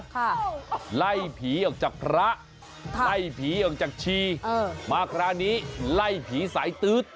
ค่ะไล่ผีออกจากระไล่ผีออกจากชีมากระนี้ไล่ผีสายตื๊ด